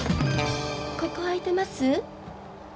ここ空いてます？